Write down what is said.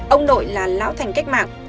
ông nội là lão thành cách mạng